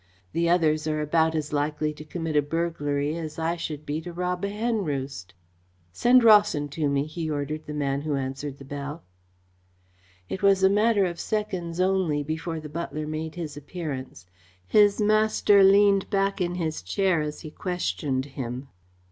The others are about as likely to commit a burglary as I should be to rob a hen roost. Send Rawson to me," he ordered the man who answered the bell. It was a matter of seconds only before the butler made his appearance. His master leaned back in his chair as he questioned him.